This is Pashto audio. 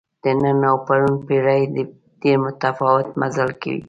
د نن او پرون پېړۍ ډېر متفاوت مزل کوي.